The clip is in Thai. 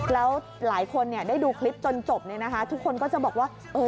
แล้วหลายคนได้ดูคลิปจนจบทุกคนก็จะบอกว่า